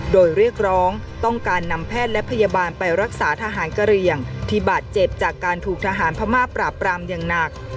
โดยเรียกร้องต้องการนำแพทย์และพยาบาลไปรักษาทหารกะเหลี่ยงที่บาดเจ็บจากการถูกทหารพม่าปราบปรามอย่างหนัก